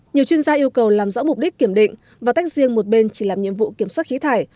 nhiều chuyên gia yêu cầu làm rõ mục đích kiểm định và tách riêng một bên chỉ làm nhiệm vụ kiểm soát khí thải